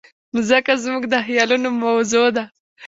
مځکه زموږ د خیالونو موضوع ده.